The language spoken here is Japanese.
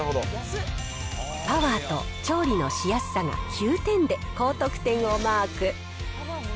パワーと調理のしやすさが９点で高得点をマーク。